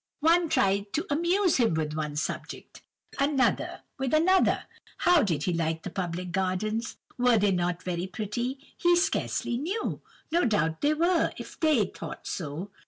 One tried to amuse him with one subject, another with another. How did he like the public gardens? Were they not very pretty?—He scarcely knew. No doubt they were, if they thought so.